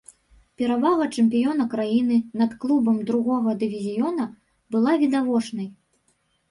Перавага чэмпіёна краіны над клубам другога дывізіёна была відавочнай.